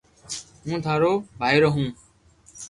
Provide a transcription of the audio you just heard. ھون ٿارو ڀآرو ھون